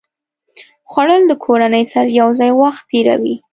خوړل د کورنۍ سره یو ځای وخت تېروي